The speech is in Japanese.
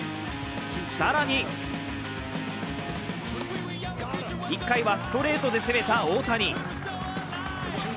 更に１回はストレートで攻めた大谷。